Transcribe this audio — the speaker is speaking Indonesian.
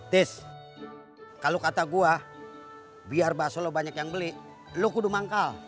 tis kalau kata gua biar bakso lo banyak yang beli lo kudu mangkal